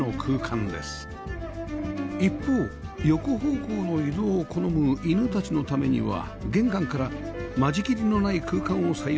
一方横方向の移動を好む犬たちのためには玄関から間仕切りのない空間を採用しました